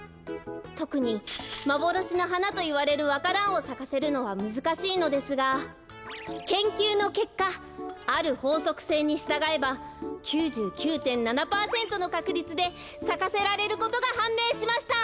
とくにまぼろしのはなといわれるわか蘭をさかせるのはむずかしいのですが研究のけっかあるほうそくせいにしたがえば９９．７パーセントのかくりつでさかせられることがはんめいしました！